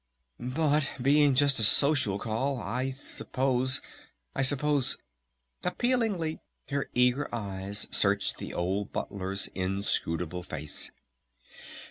... But being just a social call I suppose I suppose...?" Appealingly her eager eyes searched the old Butler's inscrutable face.